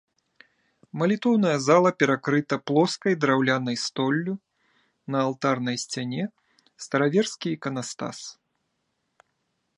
Малітоўная зала перакрыта плоскай драўлянай столлю, на алтарнай сцяне стараверскі іканастас.